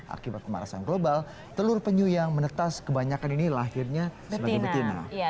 akibat kemarasan global telur penyu yang menetas kebanyakan ini lahirnya sebagai betina